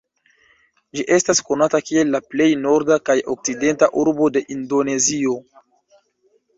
Ĝi estas konata kiel la plej norda kaj okcidenta urbo de Indonezio.